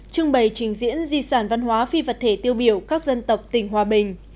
trưng bày trình diễn di sản văn hóa phi vật thể tiêu biểu các dân tộc tỉnh hòa bình